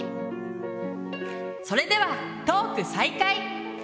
それではトーク再開！